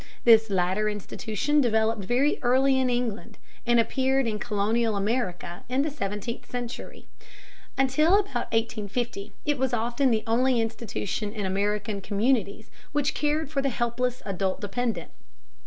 This latter institution developed very early in England, and appeared in colonial America in the seventeenth century. Until about 1850 it was often the only institution in American communities which cared for the helpless adult dependent.